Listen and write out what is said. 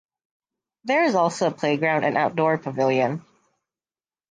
There is also a playground and outdoor pavilion.